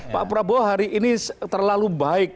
pak prabowo hari ini terlalu baik